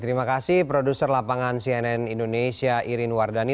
terima kasih produser lapangan cnn indonesia irin wardani